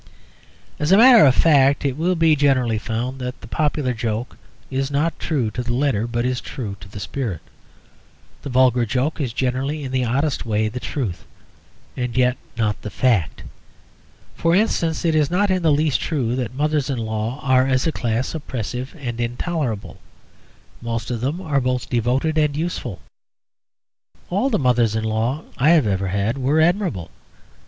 As a matter of fact, it will be generally found that the popular joke is not true to the letter, but is true to the spirit. The vulgar joke is generally in the oddest way the truth and yet not the fact. For instance, it is not in the least true that mothers in law are as a class oppressive and intolerable; most of them are both devoted and useful. All the mothers in law I have ever had were admirable.